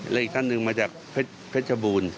และอีกท่านหนึ่งมาจากเพชรบูรณ์